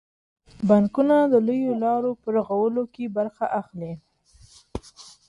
بانکونه د لویو لارو په رغولو کې برخه اخلي.